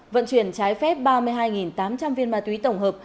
vận chuyển trái phép ba mươi hai tám trăm linh viên ma túy tổng hợp